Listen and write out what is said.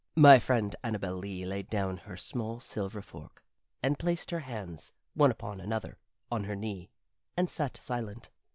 My friend Annabel Lee laid down her small silver fork, and placed her hands one upon another on her knee, and sat silent.